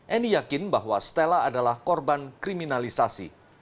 annie yakin bahwa stella adalah korban kriminalisasi